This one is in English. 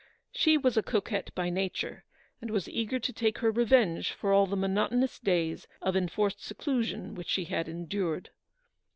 She was a coquette by nature, and was eager to take her revenge for all the monotonous days of enforced seclusion which she had endured.